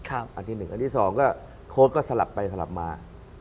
อันที่๑อันที่๒ก็โค้ดก็สลับไปสลับมา